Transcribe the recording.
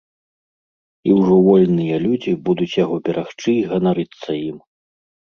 І ўжо вольныя людзі будуць яго берагчы й ганарыцца ім.